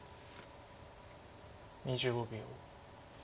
２５秒。